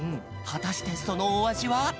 はたしてそのおあじは？